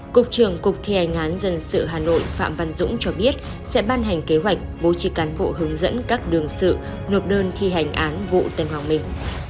cục trưởng cục thi hành án dân sự hà nội phạm văn dũng cho biết sẽ ban hành kế hoạch bố trí cán bộ hướng dẫn các đường sự nộp đơn thi hành án vụ tân hoàng minh